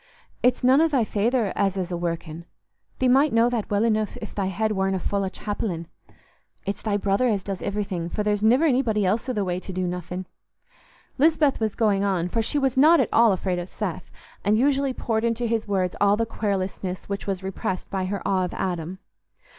"It's none o' thy feyther as is a workin'—thee might know that well anoof if thy head warna full o' chapellin'—it's thy brother as does iverything, for there's niver nobody else i' th' way to do nothin'." Lisbeth was going on, for she was not at all afraid of Seth, and usually poured into his ears all the querulousness which was repressed by her awe of Adam.